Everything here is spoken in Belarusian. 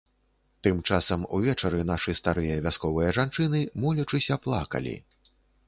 Тым часам увечары нашы старыя вясковыя жанчыны, молячыся, плакалі.